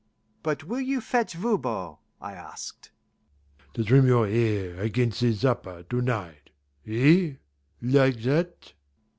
"But will you fetch Voban?" I asked. "To trim your hair against the supper to night eh, like that?"